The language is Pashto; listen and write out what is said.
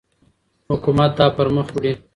حکومت دا پرمخ وړي.